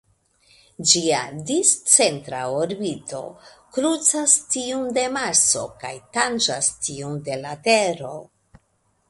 Ĝia discentra orbito krucas tiun de Marso kaj tanĝas tiun de la Tero.